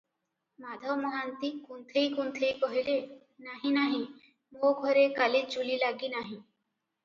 ମାଧମହାନ୍ତି କୁନ୍ଥେଇ କୁନ୍ଥେଇ କହିଲେ, "ନାହିଁ, ନାହିଁ, ମୋ ଘରେ କାଲି ଚୁଲୀ ଲାଗି ନାହିଁ ।"